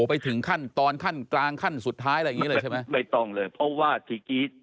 ไปถึงขั้นตอนขั้นกลางขั้นสุดท้ายอะไรอย่างงี้เลยใช่ไหมไม่ต้องเลยเพราะว่าเมื่อกี้